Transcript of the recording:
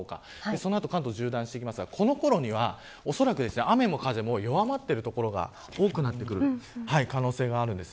その後、関東を縦断しますがこのころには、おそらく雨も風も弱まっている所が多くなってくる可能性があるんです。